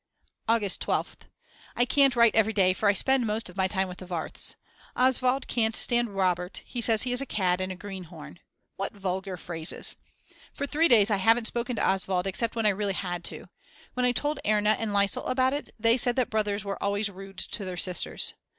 August 12th. I can't write every day for I spend most of my time with the Warths. Oswald can't stand Robert, he says he is a cad and a greenhorn. What vulgar phrases. For three days I haven't spoken to Oswald except when I really had to. When I told Erna and Liesel about it, they said that brothers were always rude to their sisters.